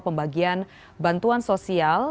pembagian bantuan sosial